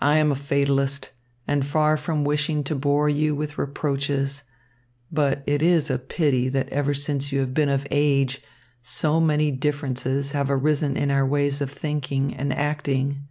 I am a fatalist, and far from wishing to bore you with reproaches; but it is a pity that ever since you have been of age, so many differences have arisen in our ways of thinking and acting.